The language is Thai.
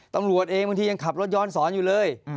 ตำรวจเองบางทียังขับรถย้อนสอนอยู่เลย